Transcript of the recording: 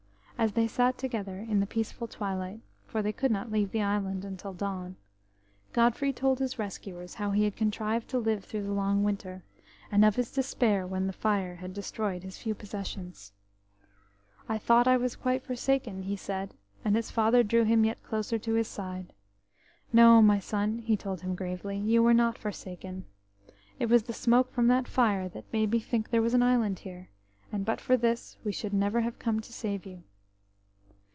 As they sat together in the peaceful twilight, for they could not leave the island until dawn, Godfrey told his rescuers how he had contrived to live through the long winter, and of his despair when the fire destroyed his few possessions. THOUGHT that I was quite forsaken," he said, and his father drew him yet closer to his side. "No, my son," he told him gravely, "you were not forsaken. It was the smoke from that fire that made me think there was an island here, and but for this we should never have come to save you."